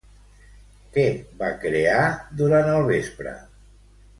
Què va crear, durant el vespre?